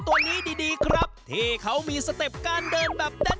ที่เป็น